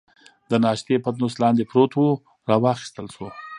د ناشتې پتنوس لاندې پروت وو، را واخیستل شو.